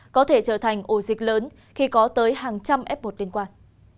có thể trở thành ổ dịch lớn khi có tới hàng trăm f một liên quan